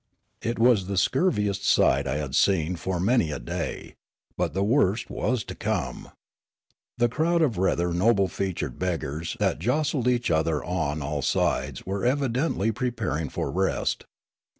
It w^as the scurviest sight I had seen for many a day; but the w^orst was to come. The crowd of rather noble featured beggars that jostled each other on all sides were evidentlj preparing for rest.